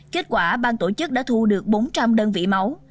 kết quả bang tổ chức đã thu được bốn trăm linh đơn vị máu